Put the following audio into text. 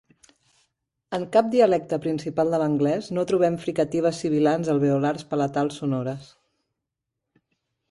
En cap dialecte principal de l'anglès no trobem fricatives sibilants alveolars palatals sonores.